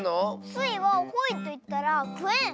スイは「ほい」といったら「くえん」！